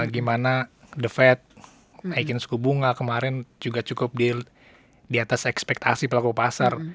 gimana the fed naikin suku bunga kemarin juga cukup di atas ekspektasi pelaku pasar